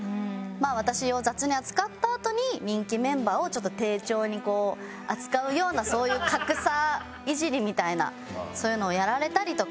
私を雑に扱ったあとに人気メンバーをちょっと丁重に扱うようなそういう格差いじりみたいなそういうのをやられたりとか。